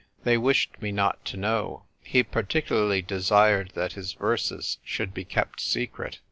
They wished me not to know. He particularly desired that his verses should be kept secret."